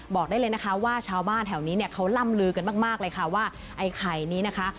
บอกได้เลยนะคะว่าชาวบ้านแถวนี้เนี่ยเขาล่ำลือกันมากเลยค่ะว่าไอ้ไข่นี้นะคะ